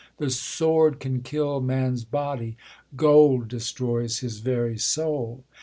The sword can kill Man's body 5 gold destroys his very soul.